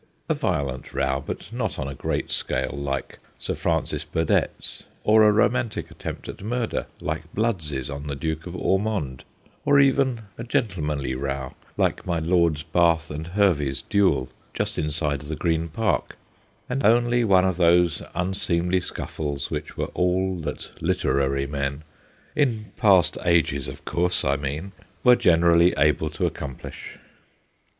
A violent row, but not on a great scale, like Sir Francis Burdett's, or a romantic attempt at murder, like Blood's on the Duke of Ormonde, or even a gentlemanly row, like my Lords Bath and Hervey's duel just inside the Green Park ; only one of those unseemly scuffles which were all that literary men in past ages, of course, I mean were generally able to accomplish.